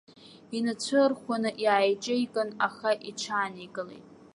Инацәа ырхәаны иааиҿеикын, аха иҽааникылеит.